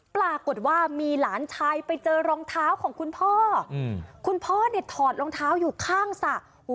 ปรากฏว่ามีหลานชายไปเจอรองเท้าของคุณพ่อคุณพ่อเนี่ยถอดรองเท้าอยู่ข้างสระ